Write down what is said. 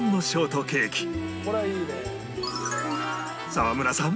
沢村さん